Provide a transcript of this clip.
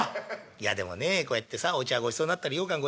「いやでもねこうやってさお茶ごちそうなったりようかん